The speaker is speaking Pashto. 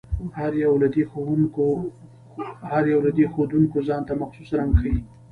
هر یو له دې ښودونکو ځانته مخصوص رنګ ښيي.